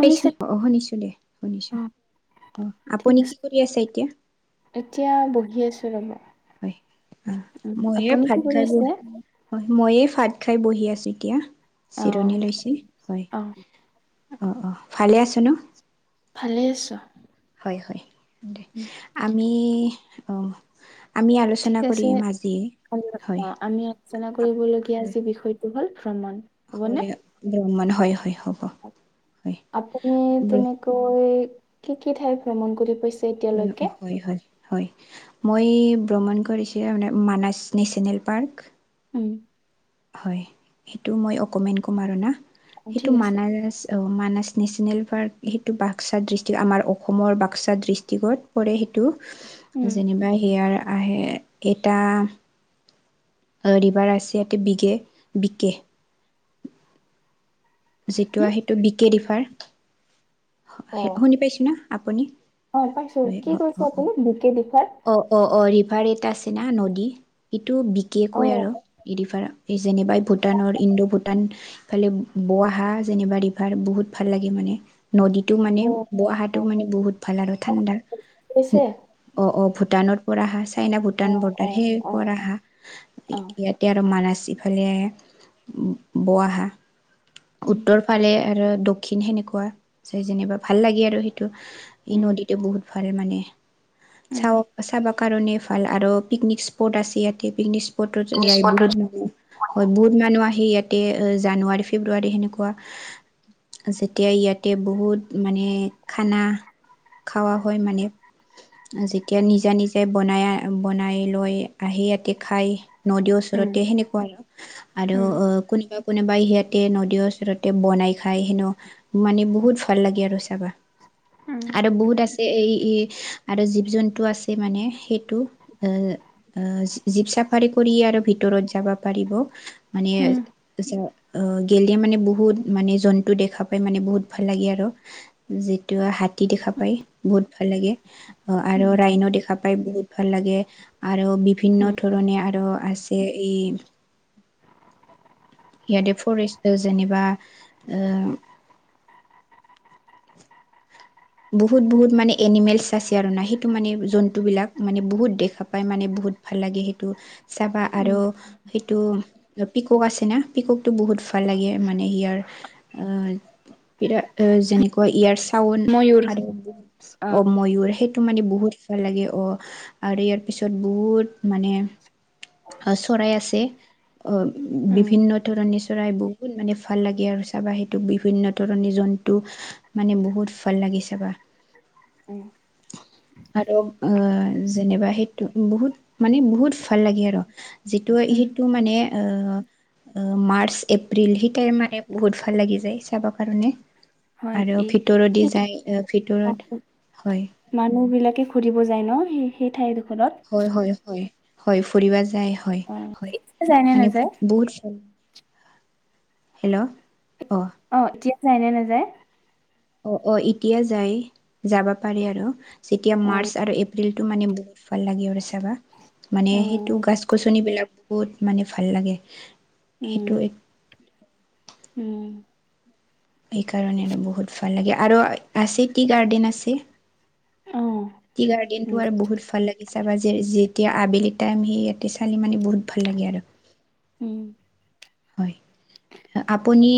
পাইছো অ অ শুনিছো দে অ শুনিছো। অ আপুনি কি কৰি আছে এতিয়া? এতিয়া বহি আছো ৰ'ব হ'য়, অহ উ মইয়ে আপুনি কি ভাত কৰি খাই ব আছে হ'য়, মই এই ভাতখাই বহি আছো এতিয়া অ জিৰণি লৈছো হ'য় অ অ, অ ভালে আছে ন'? ভালেই আছো। এ হ'য়। উম, আমি আমি ঠিক আলোচনা আছে কৰিম আজি আমি হয়। অ আমি আলোচনা কৰিবলগীয়া যি বিষয়টো হ'ল ভ্ৰমণ হ'য় হ'বনে দিয়ক ব্ৰাহ্মণ মানুহ। আপুনি তেনেকৈ কি কি ঠাই ভ্ৰমণ কৰি পাইছে? হয়নুক এতিয়ালৈকে হয় হয়। হয় মই ভ্ৰমন কৰিছো মানে মানস নেচনেল পাৰ্ক। ও। হয়। সেইটো মই অকমেন কম আৰু না। সেটো ঠিক আছে মানস- মানাস নেশচনেল পাৰ্ক সেইটো বাক্সা ডিষ্ট্ৰিক্, আমাৰ অসমৰ বাক্সা ডিষ্ট্ৰিকত পৰে সেইটো উম যেনিবা হেয়াৰ আহে এটা আৰু ৰিভাৰ আছে ইতে বিকে, বিকে। যিটো, হম সেইটো বিকে ৰিভাৰ অ শুনি পাইছে না আপুনি? অ পাইছো। হয় কি কৈছে আপুনি? বিকে ৰিভাৰ অ অ অ ৰিভাৰ এটা আছে না নদী এইটো বিকে অ কয় আৰু এই ৰিভাৰত যেনেবা ভূটানৰ ইণ্ডো ভূটান ইফালে বোৱা হা যেনিবা ৰিভাৰ বহুত ভাল লাগে মানে নদীতটো মানে অ অ বহাটো মানে বহুত ভাল আৰু ঠাণ্ডা কৈছে অ অ ভূটানৰ পৰা আহা চাইনা অ ভূটান অ বৰ্ডাৰ সেই অ পৰা অ আহা অ ইয়াতে আৰু মান এইফালে বো আহা উম উত্তৰ ফালে আৰু দক্ষিণ সেনেকোৱা চাই যেনিবা ভাল লাগে আৰু সেইটো ই উম নদীতো বহুত সেই ফালে মানে উম চাও চাবা কাৰণে ভাল আৰু পিকনিক স্পট আছে ইয়াতে পিকনিক স্পট স্পটত যায় নিস্পত বহুত মানুহ বহুত মানুহ আহি ইয়াত তে জানুৱাৰী ফেব্ৰুৱাৰী সেনেকোৱা যেতিয়া ইয়াতে বহুত মানে খানা খোৱা হয় মানে যেতিয়া নিজা নিজে বনাই বনাই লৈ আহি ইয়াতে খায় নদীৰ উম, ওচৰতে সেনেকোৱা আৰু আৰু উম, অ কোনোবা কোনোবাই সেইয়াতে নদীৰ ওচৰতে বনাই খাই হেনো মানে বহুত ভাল লাগে আৰু যাবা উম, আৰু বহুত আছে এই আৰু জীৱ জন্তু আছে মানে সেইটো এ অ জীপ চাফাৰী কৰি আৰু ভিতৰত যাব পাৰিব মানে উম, অ গলে মানে বহুত মানে জন্তু দেখা পাই মানে বহুত ভাল লাগে আৰু যিটো হা হাতী দেখা পায় বহুত ভাল লাগে আৰু উম, ৰাইন দেখা পাই বহুত ভাল লাগে আৰু বিভিন্ন উম, ধৰণে আৰু আছে এই ইয়তে ফৰেষ্ট যেনবা বহুত বহুত মানে এনিমেলছ আছে আৰু নাহি সেইটো মানে জন্তু বিলাক মানে বহুত দেখা পায় মানে বহুত ভাল লাগে সেইটো চাবা উম। আৰু সেইটো পিকক আছে না পিককতটো বহুত ন লাগে মানে ইয়াৰ বিৰা যেনেকুৱা ইয়াৰ চাউড ময়ুৰ আৰু অহ অ', ময়ূৰ সেই টো মানে বহুত ভাল লাগে অ আৰু ইয়াৰ পিছত বহুত মানে চৰাই আছে অ উম, বিভিন্ন ধৰণে চৰাই বহুত মানে ভাল লাগে আৰু চাবা সেইটোক বিভিন্ন ধৰণি জন্তু মানে বহুত ভাল লাগিছে চাবা উম, আৰু অহ যেনেবা সেইটো বহুত মানে বহুত ভাল লাগে আৰু যিটো উম, সেইটো মানে অহ অহ মাৰ্চ এপ্ৰিল সেইটাই মানে বহুত ভাল লাগি যায় চাব কাৰণে হয় আৰু এই ভিতৰ দি সেইটো যায় এ মানুহ বিলাকে ঘুৰিব যায় ন সেই সেই ঠাই দোখৰ হয় হয় হয় হয় ফুৰিব যায় যায় হয় অ', হয় এতিয়া যায় নে মানে নাযায় বহুত হেল্ল' অ এতিয়া যায় এনেই নাযায় অহ অহ এতিয়া যাই যাবা পাৰি আৰু যেতিয়া অ', মাৰ্চ আৰু এপ্ৰিল টো মানে বহুত ভাল লাগে আৰু চাবা মানে উম, সেইটো গছ গছন বিলাক বহুত মানে ভাল লাগে উম, সেইটো এক উম সেইকাৰণে আৰু বহুত ভাল লাগে আৰু আছে টি গাৰ্ডেন আছে অ', টি গাৰ্ডেন তো উম, আৰু বহুত ভাল লাগিছে বা যেতিয়া আবেলি টাইম সি ইয়াতে চালি মানি বহুত ভাল লাগে আৰু উম, হয় আপুনি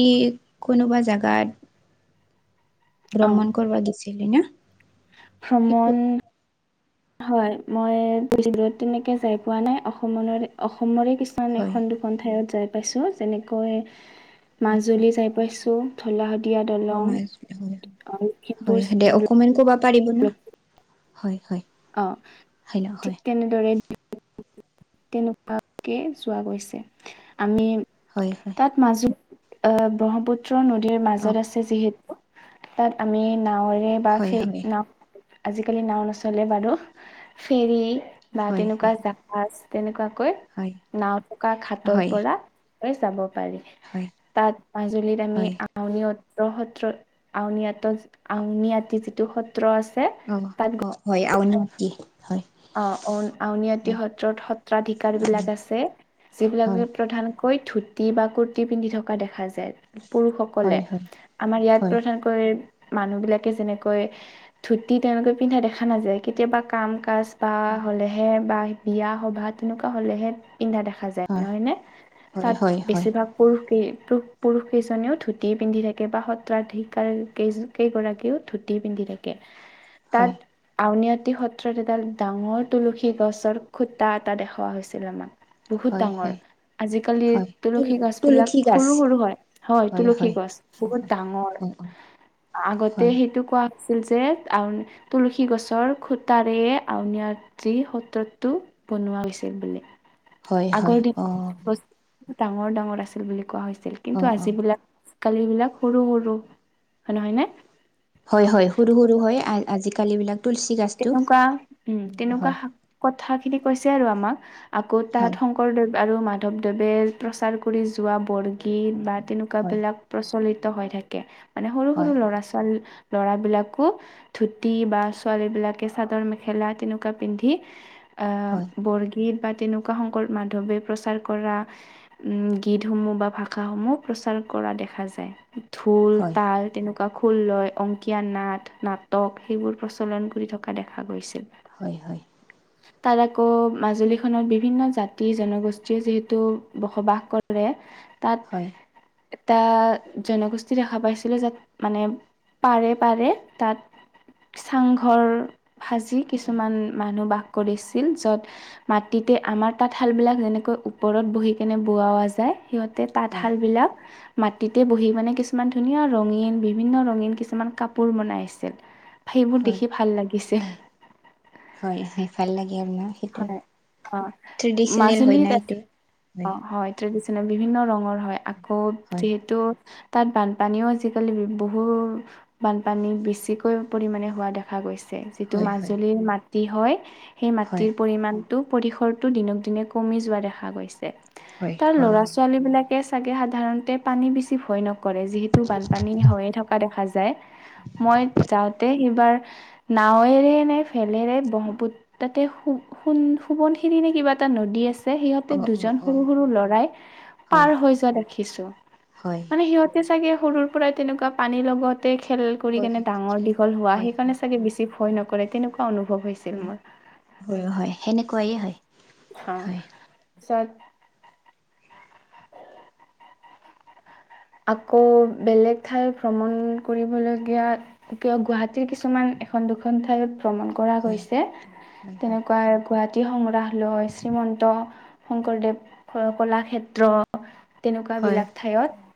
কোনোবা জেগাত ভ্ৰমণ অ', কৰিব দিছিলি না [unintelligible] সেইটো ভ্ৰমণ হয় মইবহুত তেনেকে যাই পোৱা নাই অসমৰে অসমৰে [unintelligible] কিছুমান হয় এখন দুখন ঠাইত যাই পাইছোঁ যেনেকৈ মাজুলী যাই পাইছোঁ। ধলা শদিয়া দলং অ লখিমপুৰ হয় দে অকে ক [unintelligible] এইকেইদিন হয় হয় [unintelligible] অ হেল্ল' ঠিক হয় তেনেদৰে তেনেকুৱাকে চোৱা গৈছে আমি হয় হয় তাত মাজুলী আহ ব্ৰহ্মপুত্ৰ নদীৰ অঁ মাজত আছে যিহেতু তাত আমি নাাৱৰে বা হয় সেই হয় নাও আজিকালি নাও নচ [unintelligible] চলে বাৰু ফেৰী বা হয় তেনেকুৱা হয় জাহাজ তেনেকুৱা হয় নাও থকা খাটৰ হয় পৰা হৈ যাব হয় তাত মাজুলীত আমি হয় আন [unintelligible] সত্ৰ সত্ৰ আউনীআটী আউনীআটি যিটো সত্ৰ আছে তাত গৈ [unintelligible] আৰুনো কি [unintelligible] অ আউনীআটী সত্ৰত সত্ৰাধিকাৰ বিলাক আছে যিবিলাকে প্ৰধান কৈ ধুতি বা কুৰ্তি পিন্ধি থকা দেখা যায় পুৰুষসকলে আমাৰ ইয়াত প্ৰধানকৈ মানুহ বিলাকে যেনেকৈ ধুতি তেওঁনেকে পিন্ধা দেখা নাযায় কেতিয়াবা কাম কাজ [unintelligible] বা হ'লেহে বা বিয়া সবাহ তেনেকুৱা হ'লেহে পিন্ধা দেখা যায় নহয় নে তাত বেছিভাগ পুৰুষেই পু পুৰুষকেইজনেও ধুতি পিন্ধি থাকে বা সত্ৰাধিকাৰ কেই কেইগৰাকীও ধূতি পিন্ধি থাকে [unintelligible] তাত আউনীআটি সত্ৰত এডাল ডাঙৰ তুলসী গছৰ খুটা এটা দেখুওৱা হৈছিল আমাক বহুত ডাঙৰ আজিকালি তুলসী গছ বিলাক তুলসী গাছ সৰু সৰু হয় হয় তুলসী গছ বহুত ডাঙৰ আগতে সেইটো কোৱা হৈছিল যে তুলসী গছৰ খুটাৰে আউনীটি সত্ৰতটো বনোৱা হৈছিল বুলি হয় হয় আগৰ অ দিন বস্ত ডাঙৰ ডাঙৰ আছিল বুলি কোৱা হৈছিল অ কিন্তু অ আজিবিলাক কালিবিলাক সৰু সৰু হয় নহয় নে? হয় অ'। হয় সৰু সৰু হয় আজিকালি বিলাক তুলসী গাছটো তেনেকুৱা উম তেনেকুৱা হয় শ কথা খিনি কৈছে আৰু আমাক আকৌ তাত হয় শংকৰদেৱ আৰু মাধৱদেৱে প্ৰচাৰ কৰি যোৱা বৰগীত বা হয় তেনেকুৱাবিলাক প্ৰচলিত হৈ থাকে মানে সৰু সৰু হয় ল'ৰা ছোৱালী ল'ৰা বিলাকো ধুতি বা ছোৱালী বিলাকে চাদৰ মেখেলা তেনে কোৱা পিন্ধী হয় গীত বা তেনেকুৱা শংকৰ, মাধৱদেৱে প্ৰচাৰ কৰা উ গীতসমূহ বা ভাষাসমূহ প্ৰচাৰ কৰা দেখা যায় ঢোল, হয় তাল তেনেকুৱা খোল লয় অংকীয়া নাট নাটক সেইবোৰ প্ৰচ প্ৰচলন কৰি থকা দেখা গৈছিল হয় হয় তাৰ আকৌ মাজুলীখনত বিভিন্ন জাতি জনগোষ্ঠীয়ে যিহেতু বসবাস কৰে তাত হয় এটা জনগোষ্ঠী দেখা পাইছিলো যাত মানে পাৰে পাৰে তাত চাংঘৰ সাজি কিছুমান মানুহ বাস কৰিছিল য'ত মাটিতে আমাৰ তাঁতশালবিলাক যেনেকৈ ওপৰত বহি কেনে বোৱাৱা যায় সিহঁত তাতে হয় হয় তাঁতশাল বিলাক মাটিতে বহি মানে কিছুমান ধুনীয়া ৰঙীন বিভিন্ন ৰঙীন কিছুমান কাপোৰ বনাই আছিল সেইবোৰ দেখি ভাল লাগিছিল। হয় হয় ভাল লাগে আৰু ন সেইটো ট্ৰেডিচনেল হয় না মাজুলীত এইটো হয় বিভিন্ন ৰঙৰ হয় আকৌ হয় যিহেতু তাত বানপানীও আজিকালি বহু বানপানী বেছিকৈ পৰিমাণে হোৱা দেখা গৈছে। যিটো হয় হয় মাজুলীৰ মাটি হয় সেই হয় মাটিৰ পৰিমাণ পৰিসৰটো দিনক দিনে কমি যোৱা দেখা গৈছে হয় তাৰ হয় ল'ৰা ছোৱালী বিলাক চাগে সাধাৰণতে পানী বেছি ভয় নকৰে যিহেতু বানপানী হৈয়ে থকা দেখা যায়। মই যাওঁতে সিবাৰ নাৱেৰে নে ফেলেৰে ব্ৰহ্মপুত্ৰ তাতেন সোবণশিৰি নে কিবা এটা নদী আছে। যে সিহঁতে অ অ দুজন অ সৰু সৰু লৰাই হয় পাৰ হৈ যোৱা দেখিছো। হয়। মানে সিহঁতে চাগে সৰুৰ পৰা তেনেকুৱা পানীৰ লগত তে খেল কৰি হয় কেনে ডাঙৰ দীঘল হোৱা হয় সেইকাৰণে চাগে বেছি ভয় নকৰে। তেনেকুৱা অনুভৱ হৈছিল হয়। মোৰ হয় হয় সেনেকুৱাই হয়। হা হয়। চ আকৌ বেলেগ ঠাই ভ্ৰমণ কৰিবলগীয়া কিয় গুৱাহাটীৰ কিছুমান এখন দুখন ঠাইত ভ্ৰমণ কৰা হয়। গৈছে হয় হয় তেনেকুৱা গুৱাহাটী জতি সংগ্ৰাহালয় শ্ৰীমন্ত শংকৰদেৱ কলাক্ষেত্ৰ তেনেকুৱা হয় বিলাক ঠাইত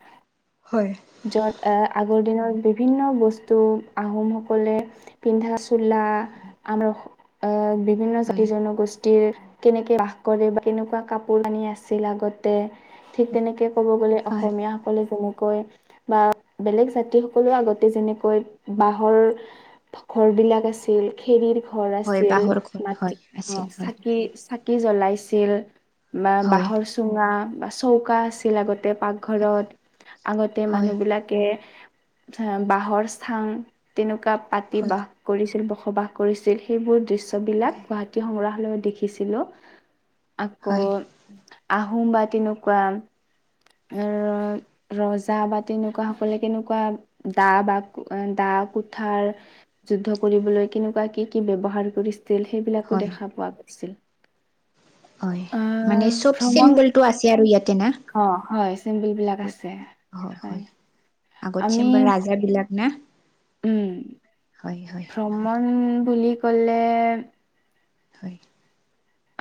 হয় য'ত আহ আগৰ দিনত বিভিন্ন বস্তু আহোমসকলে পিন্ধা চোলা আৰু বিভিন্ন হয় জাতি জনগোষ্ঠী কেনেকে বাস কৰে বা কেনেকুৱা কাপোৰ কানি আছিল আগতে ঠিক তেনেকে ক'ব গ'লে হয় অসমীয়াসকলে যেনেকৈ বা বেলেগ জাতি সকল আগতে যেনেকৈ বাঁহৰ ঘৰ বিলাক আছিল খেৰ ঘৰ হয় আছিল বাঁহৰ ঘৰ মাটি হয়। অ আছিল হয় চাকি কি জ্বলাইছিল বা হয় বাঁহৰ চুঙা বা চৌকা আছিল আগতে হয় পাকঘৰত আগতে হয় মানুহ বিলাকে বাহৰ স্থান তেনেকুৱা পাতি হয় বাহ কৰিছিল। বসবাস কৰিছিল সেইবোৰ দৃশ্যবিলাক হয় গুৱাহাটী সংগ্ৰালয়ত দেখিছিলো। আকৌ আহোম বা তেনেকুৱা আৰু ৰজ চা বাতি এনেকুৱা সকলে কেনেকুৱা দা বা দা কুঠাৰ যুদ্ধ ফলৈ কেনেকুৱা কি কি ব্যৱহাৰ কৰিছিল সেইবিলাকো হয় দেখা পোৱা গৈছিল। হয় মানে আহ চব ভ্ৰমণ চিম্বলটো আছে আৰু ইয়াত অ হয় চিম্বুল বিলাক আছে হয়। আগত আমি চম বাৰ ৰাজ বিলাক না উম হয় হয় হয় ভ্ৰমণ বুলি কলে হয়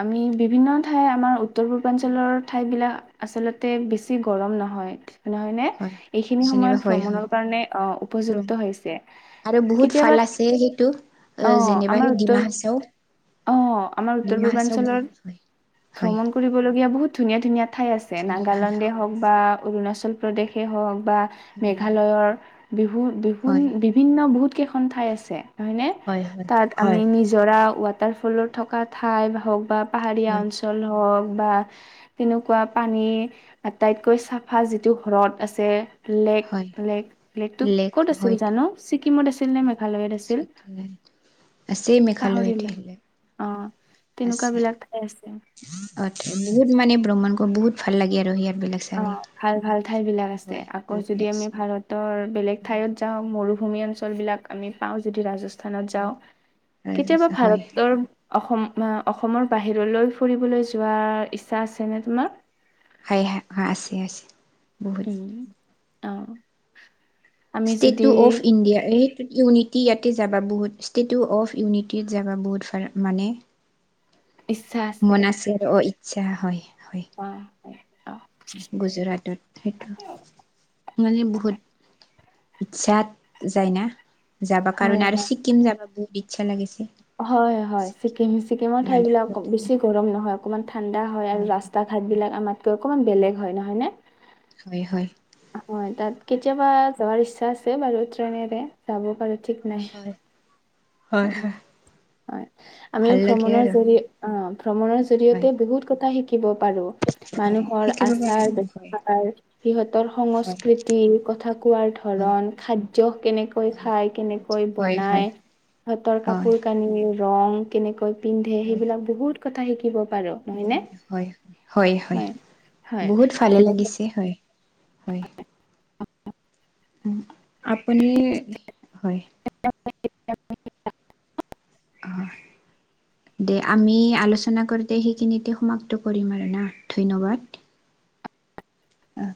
আমি বিভিন্ন ঠাই আমাৰ উত্তৰ পূৰ্বাঞ্চলৰ ঠাই বিলাক আচলতে বেছি গৰম নহয়। নহয় ন হয় এইখিনি যেনিবা সময়ত হয় হয় ভ্ৰমণৰ কাৰণে অ ৰুম উপযুক্ত হৈছে। আৰু বহুত ভাল আছে সেইটো আহ যেনিবা সেই আমাৰ ডিমা উত্তৰ হাচাও আহ আমাৰ উত্তৰ ডিমাহাচাও বহুত পূৰ্বাঞ্চলৰ হয় হয় ভ্ৰমণ কৰিবলগীয়া বহুত ধুনীয়া ধুনীয়া ঠাই আছে ধুনীয়া নাগালেণ্ডে হৈ হওক আছে বা অৰুণাচল দেশে হওক বা মেঘালয়ৰ হয় বিহুন হয় বিভিন্ন বহুত খন ঠাই আছে নহ ন হয় হয় তাত হয় আমি নিজৰা তাৰ ফলত থকা ঠাই হওক বা পাহাৰীয়া হয় অঞ্চল হওক বা তেনেকুৱা পানী আটাইতকৈ চাফা যিটো ঘৰত আছে লেক হয় লেক লেকটো লেক ক'ত আছিল হয় জানো ছিকিমত আছিল নে মেঘালয়ত আছিল? আছে পাহৰি মেঘালয়ত ল এইবিলাক আহ তেনেকুৱা বিলাক ঠাই আছে। অ বহুত মানে ভ্ৰমণ কৰো বহুত ভাল লাগে আৰু হিয়ে আৰু অ ভাল ভাল ঠাই বিলাক আছে হয় আকৌ বহুত যদি আমি আছে ভাৰতৰ বেলেগ ঠাইত যাওঁ মৰু [unintelligible] ভূমি অঞ্চলবিলাক আমি পাওঁ যিদি ৰাজস্থ স্থানত যাওঁ কেতিয়াবা হয় ভাৰতৰ অসম অসমৰ বাহিৰলৈ ফুৰিবলৈ যোৱাৰ ইচ্ছা আছেনে তোমাৰ? হয়, হয়। অ আছে, আছে। বহুত উম অ। আমি যদি ষ্টেটু অফ ইণ্ডিয়া এই ইউনিটি ইয়াতে যাবা বহুত ষ্টেটু অফ ইউনিটি যাবা বহুত মানে ইচ্ছা আছে মনাছে ৰ অ ইচ্ছা হয়। হয় অ হয়। অ', গুজৰাটত সেইটো মানে বহুত ইচ্ছা যায় ন। যাব হয় কাৰণে আৰু হয়। ছিক্কিম যাবা বহুত ইচ্ছা লাগিছে। হয় হয় ছিকিম ছিকিমৰ ঠাই বিলাক লাডাখত বেছি গৰম নহয় অকমান ঠাণ্ডা হয় আৰু ৰাস্তা ঘাট বিলাক আমাতকৈ অকমান বেলেগ হয় নহয় ন। হয় হয় হয় তাত কেতিয়াবা যোৱাৰ ইচ্ছা আছে বাৰু ট্ৰেইনেৰে যাব পাৰ ঠিক নাই। হয় হয় উম, হয়। হয় আমি ভাল লাগে ভ্ৰমণৰ আৰু জৰি অ ভ্ৰমণৰ হয় জৰিয়তে বহুত কথা শিক শিকিব পাৰো হয় মানুহৰ শিকিব আচাৰ পাৰিম হয় ব্যবহাৰ সিহঁতৰ হয় সংস্কৃতি কথা কোৱাৰ হয় ধৰন খাদ্যয় কেনেকৈ হয় খায় কেনেকৈ হয় হয় বনাই সিহঁতৰ হয় কাপোৰ কানি ৰং কেনেকৈ পিন্ধে হয় সেইবিলাক বহুত কথা শিকিব। পাৰো নহয়নে? হয় হয় বহুত ভালে যেনেকৈ লাগিছে হয়। হয়। [inaudible] আপুনি, হয়। [unintelligible] হয়। দে আমি আলোচনা কৰোতে সেইখিনিতে সমাপ্ত কৰিম আৰু না ধন্যবাদ। অ।